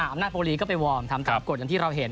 อำนาจโปรีก็ไปวอร์มทำตามกฎอย่างที่เราเห็น